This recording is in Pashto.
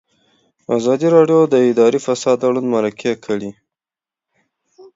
ازادي راډیو د اداري فساد اړوند مرکې کړي.